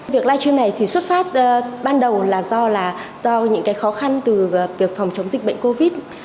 việc livestream này thì xuất phát ban đầu là do là do những cái khó khăn từ việc phòng chống dịch bệnh covid